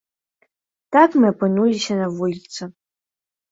Так мы апынуліся на вуліцы.